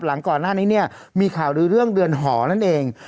หลังก่อนหน้านี้เนี่ยมีข่าวลือเรื่องเรือนหอนั่นเอง